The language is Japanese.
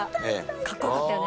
かっこ良かったよね。